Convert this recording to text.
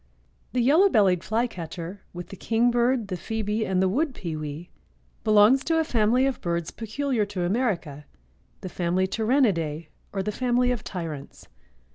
_) The Yellow bellied Flycatcher with the kingbird, the phoebe and the wood pewee belongs to a family of birds peculiar to America—the family Tyrannidæ or the family of tyrants.